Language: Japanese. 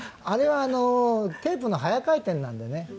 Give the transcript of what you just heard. あれはテープの早回転なんでね。